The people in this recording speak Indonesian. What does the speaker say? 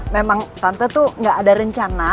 memang tante tuh gak ada rencana